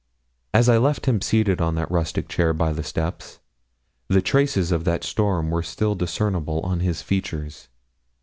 As I left him seated on the rustic chair, by the steps, the traces of that storm were still discernible on his features.